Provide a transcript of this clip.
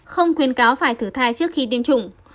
không khuyến cáo phải thử thai trước khi tiêm chủng